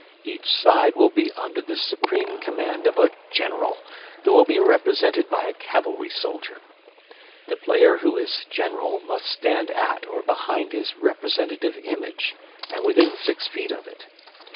Each side will be under the supreme command of a General, who will be represented by a cavalry soldier. The player who is General must stand at or behind his representative image and within six feet of it.